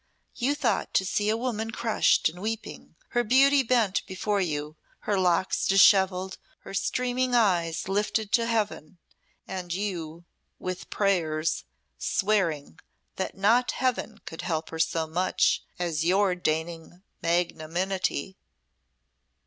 "You thought to see a woman crushed and weeping, her beauty bent before you, her locks dishevelled, her streaming eyes lifted to Heaven and you with prayers, swearing that not Heaven could help her so much as your deigning magnanimity.